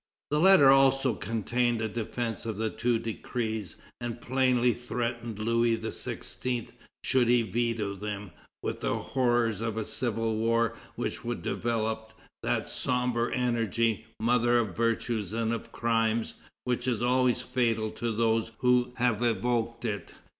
The letter also contained a defence of the two decrees, and plainly threatened Louis XVI., should he veto them, with the horrors of a civil war which would develop "that sombre energy, mother of virtues and of crimes, which is always fatal to those who have evoked it!"